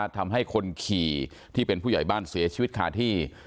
ทำให้คนขี่ที่เป็นผู้ใหญ่บ้านเสียชีวิตคาที่